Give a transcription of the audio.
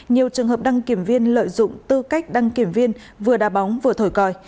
nhiều trường hợp đăng kiểm viên lợi dụng tư cách đăng kiểm viên vừa đa bóng vừa thổi còi